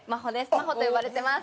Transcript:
「まほ」と呼ばれてます。